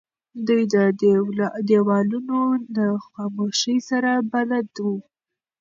دی د دیوالونو له خاموشۍ سره بلد و.